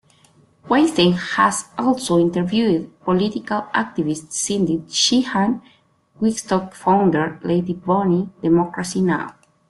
Weinstein has also interviewed political activist Cindy Sheehan, Wigstock founder Lady Bunny, Democracy Now!